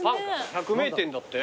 百名店だって。